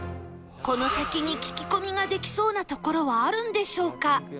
この先に聞き込みができそうな所はあるんでしょうか？